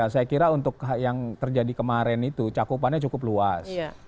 saya kira untuk yang terjadi kemarin itu cakupannya cukup luas